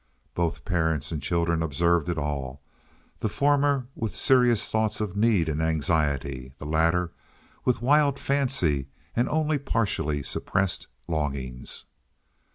Both parents and children observed it all—the former with serious thoughts of need and anxiety, the latter with wild fancy and only partially suppressed longings.